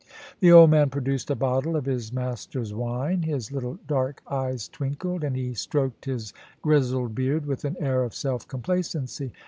The old man produced a bottle of his master's wine ; his little dark eyes twinkled, and he stroked his grizzled beard with an air of self complacency.